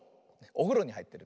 おふろにはいってる。